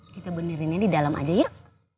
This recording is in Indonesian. kita benerinnya di dalam aja yuk